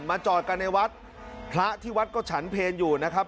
จอดกันในวัดพระที่วัดก็ฉันเพลอยู่นะครับ